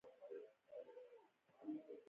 مځکه او باغونه وبخښل.